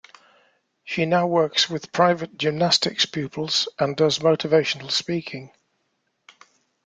She now works with private gymnastics pupils and does motivational speaking.